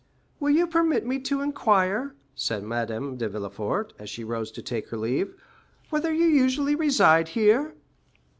"Will you permit me to inquire," said Madame de Villefort, as she arose to take her leave, "whether you usually reside here?"